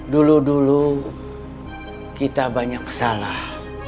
dulu dulu kita banyak salah